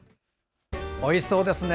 おいしそうですね。